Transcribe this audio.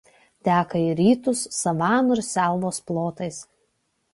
Teka į rytus savanų ir selvos plotais.